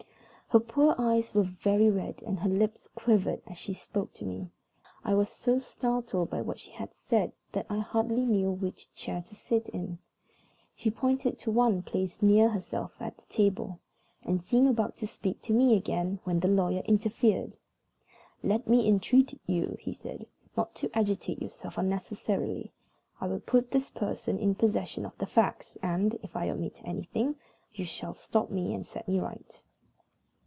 Her poor eyes were very red, and her lips quivered as she spoke to me. I was so startled by what she had said that I hardly knew which chair to sit in. She pointed to one placed near herself at the table, and seemed about to speak to me again, when the lawyer interfered. "Let me entreat you," he said, "not to agitate yourself unnecessarily. I will put this person in possession of the facts, and, if I omit anything, you shall stop me and set me right."